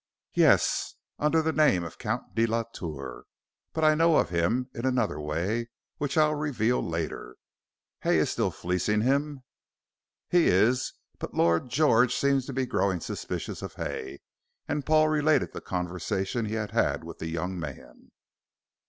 "Yes, under the name of the Count de la Tour. But I know of him in another way, which I'll reveal later. Hay is still fleecing him?" "He is. But Lord George seems to be growing suspicious of Hay," and Paul related the conversation he had with the young man.